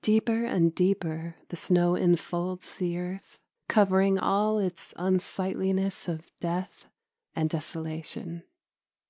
Deeper and deeper the snow infolds the earth, covering all its unsightliness of death and desolation.